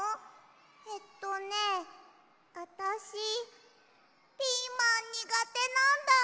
えっとねあたしピーマンにがてなんだ！